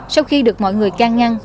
sau khi được mọi người can ngăn